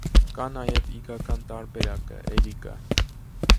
Կա նաև իգական տարբերակը՝ էրիկա։